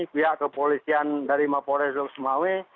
pihak kepolisian dari maporejo sumawwe